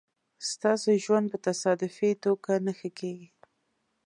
ستاسو ژوند په تصادفي توگه نه ښه کېږي